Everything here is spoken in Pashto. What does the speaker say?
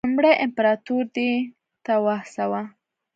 نوموړي امپراتور دې ته وهڅاوه.